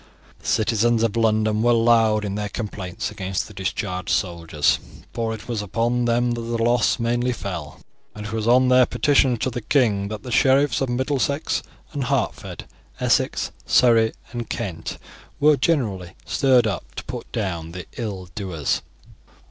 The citizens of London were loud in their complaints against the discharged soldiers, for it was upon them that the loss mainly fell, and it was on their petitions to the king that the sheriffs of Middlesex and Hertford, Essex, Surrey, and Kent, were generally stirred up to put down the ill doers.